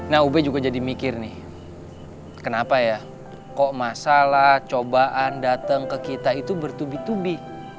nah ube juga jadi mikir nih kenapa ya kok masalah cobaan datang ke kita itu bertubi tubi